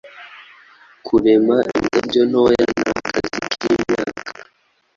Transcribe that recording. Kurema indabyo ntoya nakazi kimyaka.